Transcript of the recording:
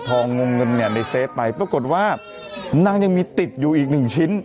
งงเงินเนี่ยในเซฟไปปรากฏว่านางยังมีติดอยู่อีกหนึ่งชิ้น